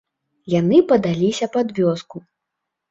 Яны падаліся пад вёску.